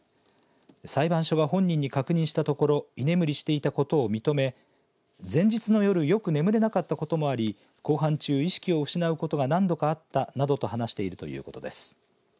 裁判所が本人に確認したところ居眠りしていたことを認め前日の夜よく眠れなかったこともあり公判中、意識を失うことが何度かあったなどと話しているということです。